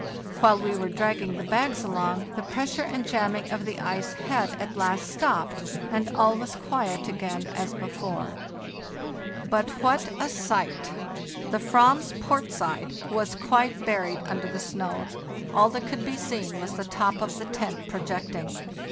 "While we were dragging the bags along, the press ure and jamming of the ice had at last stopped, and all was quiet again as before. "But what a sight! The /vam's port side was quite buried under the snow; all that could be seen was the top of the tent projecting.